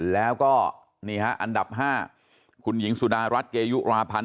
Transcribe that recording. แล้วก็นี่ฮะอันดับ๕คุณหญิงสุดารัฐเกยุราพันธ